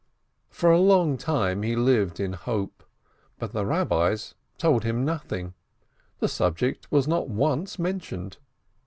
For a long time he lived in hope, but the Eabbis told him nothing, the subject was not once mentioned.